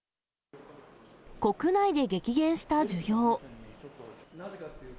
国内で激減した需要。